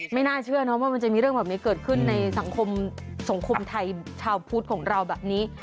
ไม่น่าเชื่อนะว่ามันจะมีเรื่องแบบนี้เกิดขึ้นในสังคมสังคมไทยชาวพุทธของเราแบบนี้